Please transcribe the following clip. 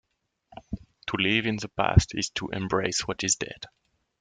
To live in the past is to embrace what is dead.